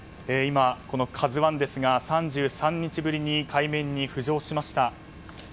今、「ＫＡＺＵ１」ですが３３日ぶりに海面に浮上しました。